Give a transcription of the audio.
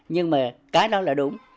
nhưng mà cái đó là đúng